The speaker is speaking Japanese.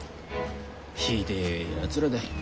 ひでえやつらだ。